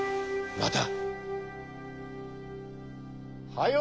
また！